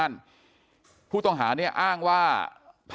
กลุ่มตัวเชียงใหม่